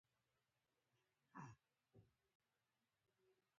وادي د افغانستان د صادراتو برخه ده.